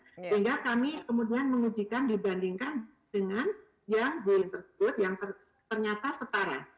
sehingga kami kemudian mengujikan dibandingkan dengan yang build tersebut yang ternyata setara